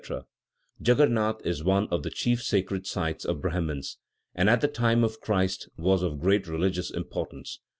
Djagguernat is one of the chief sacred cities of Brahmins, and, at the time of Christ, was of great religious importance.